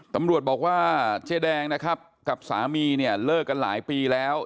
ตำรวจบอกว่าเจ๊แดงนะครับกับสามีเนี่ยเลิกกันหลายปีแล้ว